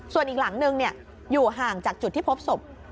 ส่วนอีกหลังนึงอยู่ห่างจากจุดที่พบศพ